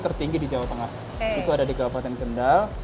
tertinggi di jawa tengah itu ada di kabupaten kendal